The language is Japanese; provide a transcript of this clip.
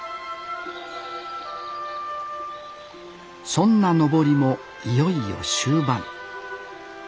そんな登りもいよいよ終盤。